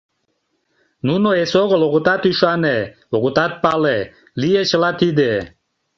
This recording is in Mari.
Нуно эсогыл огытат ӱшане, огытат пале: лие чыла тиде?